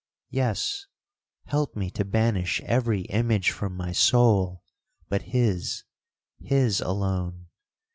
'Yes, help me to banish every image from my soul but his—his alone!